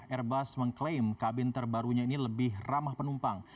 airbus mengklaim kabin terbarunya ini lebih ramah penumpang